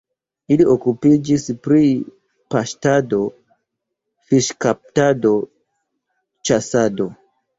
Ili okupiĝis pri paŝtado, fiŝkaptado, ĉasado.